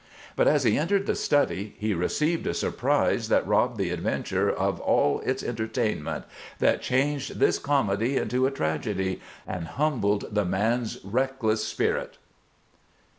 But as he entered the study he received a surprise that robbed the adventure of all its entertainment, that changed this comedy into a tragedy and humbled the man's reckless spirit.